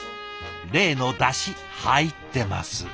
例のだし入ってます。